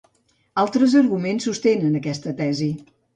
Altres arguments sostenen aquesta tesi.